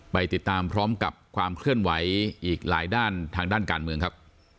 ไปติดตามพร้อมกับความเคลื่อนไหวอีกหลายด้านทางด้านการเมืองครับ